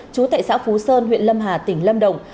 trú tại xã phú sơn huyện lâm hà tỉnh lâm đồng